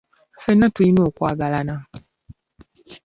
Ffenna tulina okwagalana.